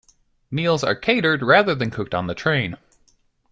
Meals are catered rather than cooked on the train.